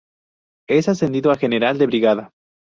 Es ascendido a General de Brigada.